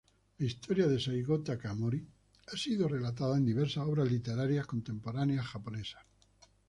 La historia de Saigō Takamori ha sido relatada en diversas obras literarias contemporáneas japonesas.